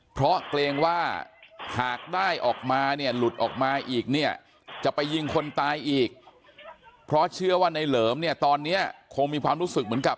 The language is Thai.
เพราะเกรงว่าหากได้ออกมาเนี่ยหลุดออกมาอีกเนี่ยจะไปยิงคนตายอีกเพราะเชื่อว่าในเหลิมเนี่ยตอนนี้คงมีความรู้สึกเหมือนกับ